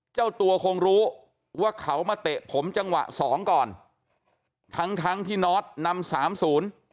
เจ้าตัวคงรู้ว่าเขามาเตะผมจังหวะสองก่อนทั้งทั้งที่นอสนำสามศูนย์